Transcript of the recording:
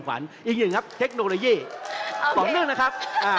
ความเปลี่ยนดีมากขึ้นนะครับ